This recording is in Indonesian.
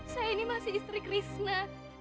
saya ini masih istri krisna